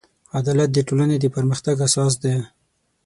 عدالت د ټولنې د پرمختګ اساس دی.